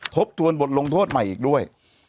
ทบทวนบทลงโทษใหม่อีกด้วย